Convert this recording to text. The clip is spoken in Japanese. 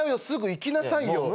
すぐ行きなさいよ。